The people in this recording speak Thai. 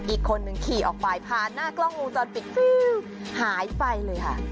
อีกคนนึงขี่ออกไปผ่านหน้ากล้องวงจรปิดหายไปเลยค่ะ